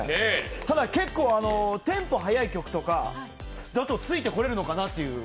ただ、結構テンポ速い曲とかついてこれるのかとか。